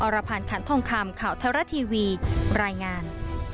รพันธ์ขันทองคำข่าวไทยรัฐทีวีรายงาน